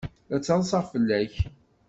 La ttaḍsaɣ fell-ak.